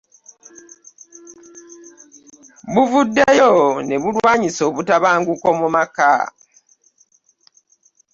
Buvuddeyo ne bulwanyisa obutabanguko mu maka